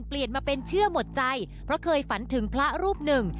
เปลี่ยนมาเป็นเชื่อหมดใจเพราะเคยฝันถึงพระรูปหนึ่ง